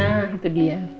nah itu dia